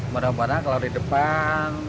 mudah mudahan kalau di depan